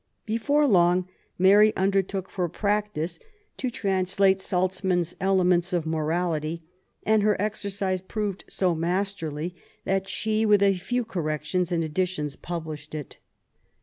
Before long Mary undertook, for practice, to translate LITE BABY LIFE. 71 Salzmann's Elements of Morality, and her exercise proved so masterly that she^ with a few corrections and additions, published it.